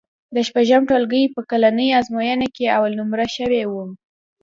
د شپږم ټولګي په کلنۍ ازموینه کې اول نومره شوی وم.